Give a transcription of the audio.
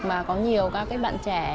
mà có nhiều các bạn trẻ